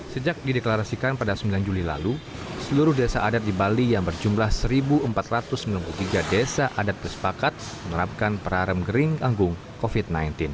sejak dideklarasikan pada sembilan juli lalu seluruh desa adat di bali yang berjumlah satu empat ratus sembilan puluh tiga desa adat bersepakat menerapkan perarem gering anggung covid sembilan belas